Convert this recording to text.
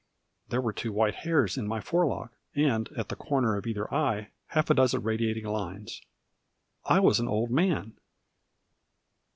There were two white hairs in my fore lock; and, at the corner of either eye, half a dozen radiating lines. I was an old man.